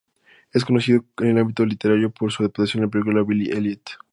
Es conocido en el ámbito literario por su adaptación de la película Billy Elliot.